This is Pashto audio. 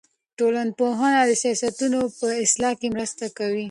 ټولنپوهنه د سیاستونو په اصلاح کې مرسته کوي.